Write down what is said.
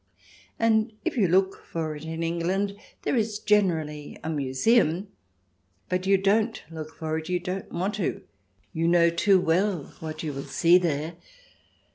And if you look for it in England there is generally a museum. But you don't look for it — don't want to; you know too well what you will see there.